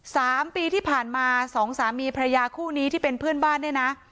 สามปีที่ผ่านมาสองสามีพระยาคู่นี้ที่เป็นเพื่อนบ้านเนี่ยนะ